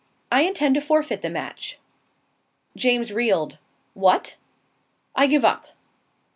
"I intend to forfeit the match." James reeled. "What!" "I give up."